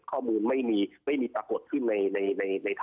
ข้อมูลไม่มีปรากฏขึ้นใน